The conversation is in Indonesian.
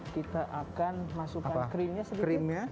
kita akan masukkan krimnya sedikit